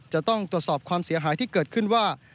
จะต้องตรวจสอบความเสียหายที่เกิดขึ้นว่า